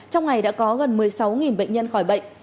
trong ngày đã có gần một mươi sáu bệnh nhân khỏi bệnh